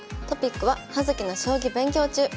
トピックは「葉月の将棋勉強中！」。